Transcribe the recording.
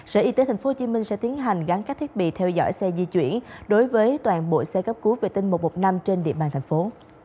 sở y tế tp hcm sẽ tiến hành gắn các thiết bị theo dõi xe di chuyển đối với toàn bộ xe cấp cứu vệ tinh một trăm một mươi năm trên địa bàn thành phố